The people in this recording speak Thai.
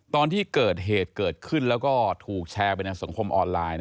ตอนที่เกิดเหตุเกิดขึ้นแล้วก็ถูกแชร์ไปในสังคมออนไลน์